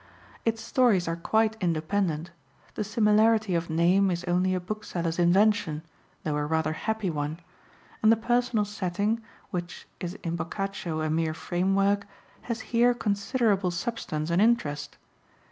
Its stories are quite independent; the similarity of name is only a bookseller's invention, though a rather happy one; and the personal setting, which is in Boccaccio a mere framework, has here considerable substance and interest.